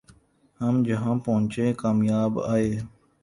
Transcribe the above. ہم جہاں پہنچے کامیاب آئے